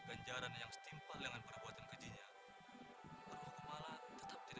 dirayu bos gue sampai kayak gitu